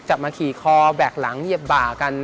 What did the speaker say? มาขี่คอแบกหลังเหยียบบ่ากัน